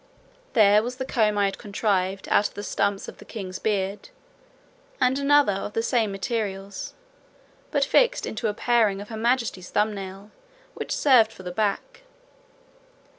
There was the comb I had contrived out of the stumps of the king's beard, and another of the same materials, but fixed into a paring of her majesty's thumb nail, which served for the back.